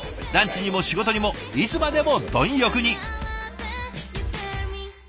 ランチにも仕事にもいつまでも貪欲に。